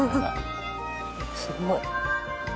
すごい。